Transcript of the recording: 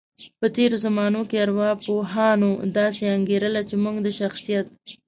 په تیرو زمانو کې ارواپوهانو داسې انګیرله، چی موږ د شخصیت